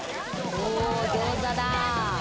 ギョーザだ！